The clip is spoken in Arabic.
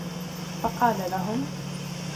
فَقَالَ لَهُمْ